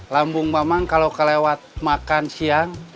lambung memang kalau kelewat makan siang